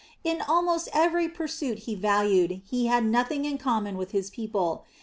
In almost every pursuit he valued, he had nothing in common with his people.